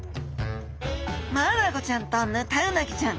マアナゴちゃんとヌタウナギちゃん